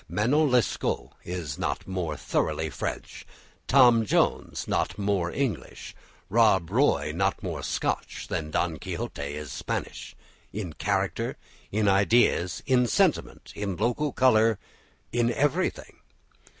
"Manon Lescaut" is not more thoroughly French, "Tom Jones" not more English, "Rob Roy" not more Scotch, than "Don Quixote" is Spanish, in character, in ideas, in sentiment, in local colour, in everything.